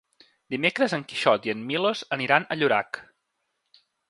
Dimecres en Quixot i en Milos aniran a Llorac.